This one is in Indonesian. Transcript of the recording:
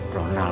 kamu mana idan